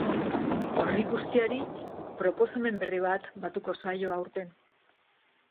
Horri guztiari proposamen berri bat batuko zaio aurten.